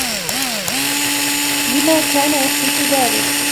لم كان يحدث ذلك؟